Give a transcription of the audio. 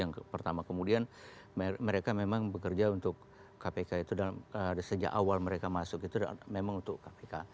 itu non asn itu yang pertama kemudian mereka memang bekerja untuk kpk itu dan sejak awal mereka masuk itu memang untuk kpk